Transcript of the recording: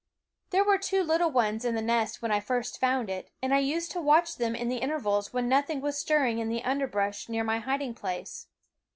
There were two little ones in the nest when I first found it; and I used to watch them in the intervals when nothing was stir nng in the underbrush near my hiding place.